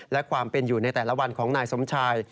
และความเป็นอยู่ในแต่ละวันของนายสมชาย